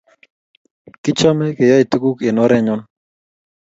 Kichame keyae tuguk eng orenyo